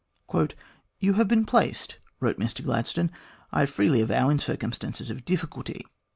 " You have been placed," wrote Mr Gladstone, " I freely avow, in circumstances of difficulty.